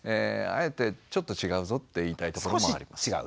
あえてちょっと違うぞって言いたいところもあります。